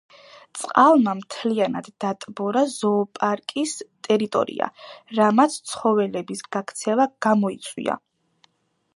წყალმა მთლიანად დატბორა ზოოპარკის ტერიტორია, რამაც ცხოველების გაქცევა გამოიწვია.